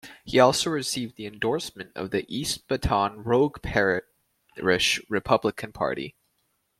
He also received the endorsement of the East Baton Rouge Parish Republican Party.